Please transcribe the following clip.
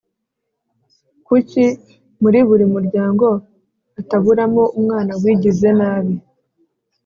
Kuki muri buri muryango hataburamo umwana wigize nabi